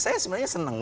saya sebenarnya senang